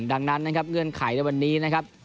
ดังนั้นนะครับเงื่อนไขในวันนี้นะครับ